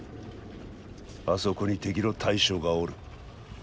あそこに敵の大将がおる。